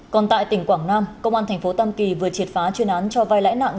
còn tại tỉnh quảng nam công an thành phố tam kỳ vừa triệt phá chuyên án cho vai lãi nặng